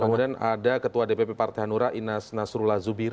kemudian ada ketua dpp partai hanura inas nasrullah zubir